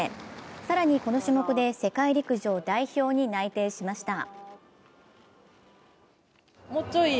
更に、この種目で世界陸上代表に内定しました。